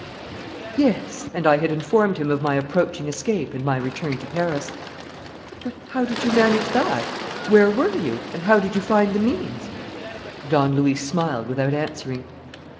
"Yes; and I had informed him of my approaching escape and my return to Paris." "But how did you manage it? Where were you? And how did you find the means? ..." Don Luis smiled without answering.